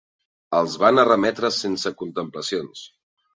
Els van arremetre sense contemplacions.